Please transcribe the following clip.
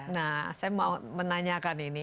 nah saya mau menanyakan ini